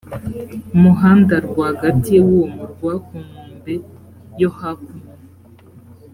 muhanda rwagati w uwo murwa ku nkombe yo hakuno